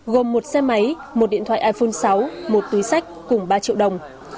gồm một xe máy một điện thoại iphone sáu một túi sách cùng ba triệu đồng